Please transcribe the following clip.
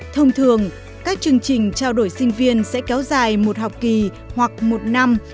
thông thường các chương trình trao đổi sinh viên sẽ kéo dài một học kỳ hoặc một năm